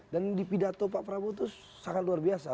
dan di pidato pak prabowo itu sangat luar biasa